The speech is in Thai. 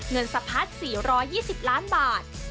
เงินสะพัดสี่ร้อยยี่สิบล้านบาท